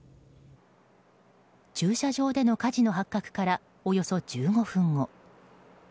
駐車場での火事の発覚からおよそ１５分後。